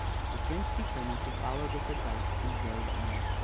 The Prince determined to follow his advice, and rode on.